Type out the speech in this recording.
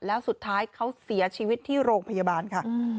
แล้วสุดท้ายเขาเสียชีวิตที่โรงพยาบาลค่ะ